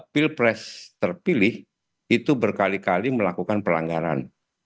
pilpres terpilih itu berkali kali melakukan pelanggaran